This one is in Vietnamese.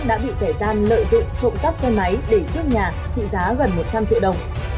đã bị kẻ gian lợi dụng trộm cắp xe máy để trước nhà trị giá gần một trăm linh triệu đồng